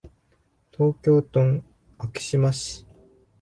東京都昭島市